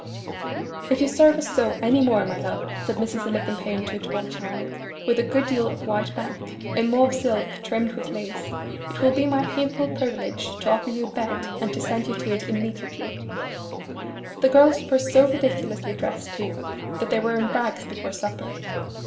'If you serve us so any more, my love,' said Mrs. Alicumpaine to a tall child, with a good deal of white back, in mauve silk trimmed with lace, 'it will be my painful privilege to offer you a bed, and to send you to it immediately.' The girls were so ridiculously dressed, too, that they were in rags before supper.